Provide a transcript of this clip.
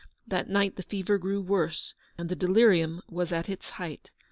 That night the fever grew worse, and the delirium was at its height.